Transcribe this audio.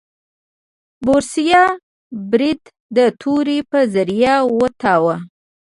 بوریس برید د تورې په ذریعه وتاوه.